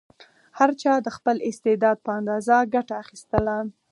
هر چا د خپل استعداد په اندازه ګټه اخیستله.